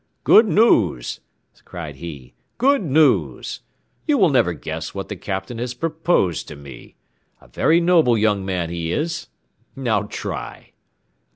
"Good news!" cried he, "good news! You will never guess what the Captain has proposed to me. A very noble young man he is. Now try."